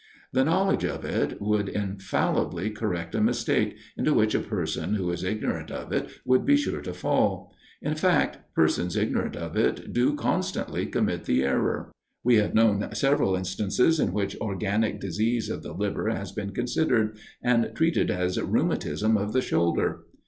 The knowledge of it would infallibly correct a mistake, into which a person who is ignorant of it, would be sure to fall: in fact, persons ignorant of it do constantly commit the error. We have know several instances in which organic disease of the liver has been considered, and treated as rheumatism of the shoulder.